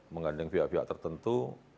mengandeng pihak pihak tertentu